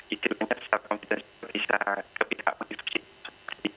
itu menyebabkan konfidensi bisa ke pihak universitas